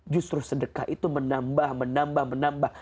justru sedekah itu menambah menambah menambah